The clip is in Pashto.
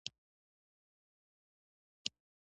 ګاونډي سره حسد کول ښه کار نه دی